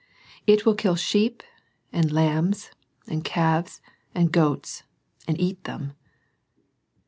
It will kill sheep, and lambs, and calves, and goats, and eat them.